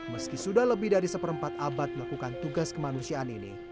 meski sudah lebih dari seperempat abad melakukan tugas kemanusiaan ini